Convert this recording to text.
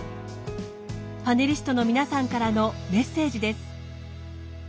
パネリストの皆さんからのメッセージです。